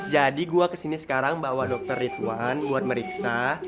jadi gue kesini sekarang bawa dokter ridwan buat meriksa